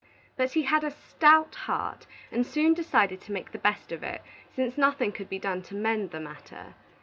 But he had a stout heart, and soon decided to make the best of it, since nothing could be done to mend the matter.